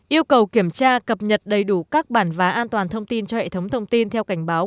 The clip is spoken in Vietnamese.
yêu cầu kiểm tra cập nhật đầy đủ các bản vá an toàn thông tin cho hệ thống thông tin theo cảnh báo